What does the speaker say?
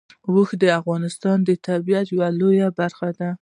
اوښ د افغانستان د طبیعت یوه لویه برخه ده.